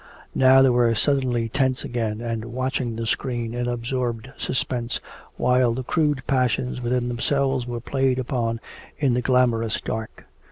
Now they were suddenly tense again and watching the screen in absorbed suspense, while the crude passions within themselves were played upon in the glamorous dark.